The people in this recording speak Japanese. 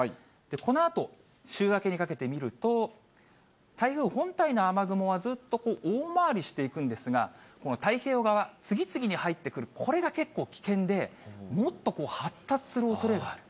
このあと週明けにかけて見ると、台風本体の雨雲は、ずっと大回りしていくんですが、この太平洋側、次々に入ってくる、これが結構危険で、もっと発達するおそれがある。